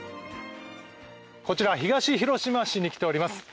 こちら東広島市に来ております。